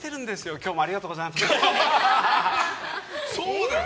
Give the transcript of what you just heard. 今日もありがとうございます。